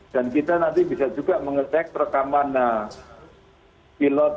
dan kita nanti bisa juga mengecek rekaman pilot